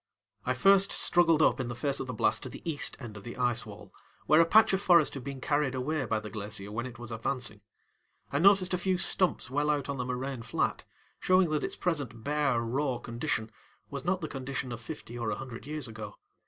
I first struggled up in the face of the blast to the east end of the ice wall, where a patch of forest had been carried away by the glacier when it was advancing. I noticed a few stumps well out on the moraine flat, showing that its present bare, raw condition was not the condition of fifty or a hundred years ago.